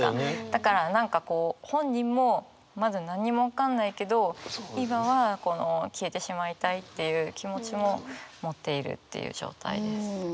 だから何かこう本人もまだ何も分かんないけど今はこの消えてしまいたいっていう気持ちも持っているっていう状態です。